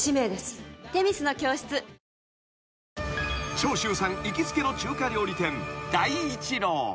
［長州さん行きつけの中華料理店］